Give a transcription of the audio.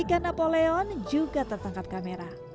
ikan napoleon juga tertangkap kamera